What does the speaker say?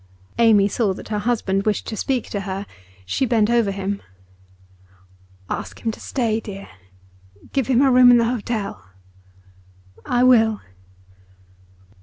Amy saw that her husband wished to speak to her; she bent over him. 'Ask him to stay, dear. Give him a room in the hotel.' 'I will.